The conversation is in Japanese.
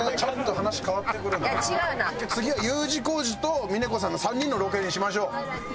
次はＵ字工事と峰子さんの３人のロケにしましょう！